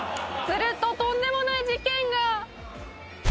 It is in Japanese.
「するととんでもない事件が」